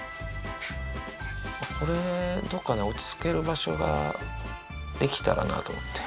これ、どっか落ち着ける場所が出来たらなと思って。